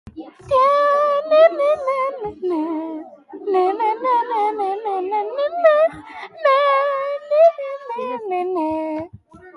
It featured three singles; "Brenda's Got a Baby", "Trapped", and "If My Homie Calls".